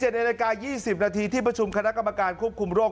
๗นาฬิกา๒๐นาทีที่ประชุมคณะกรรมการควบคุมโรค